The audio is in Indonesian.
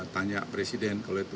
tanya presiden kalau itu